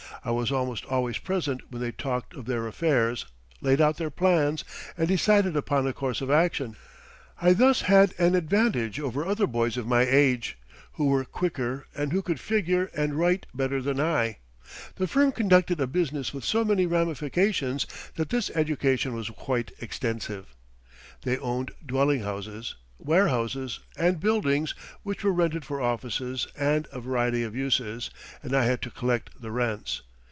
I was almost always present when they talked of their affairs, laid out their plans, and decided upon a course of action. I thus had an advantage over other boys of my age, who were quicker and who could figure and write better than I. The firm conducted a business with so many ramifications that this education was quite extensive. They owned dwelling houses, warehouses, and buildings which were rented for offices and a variety of uses, and I had to collect the rents.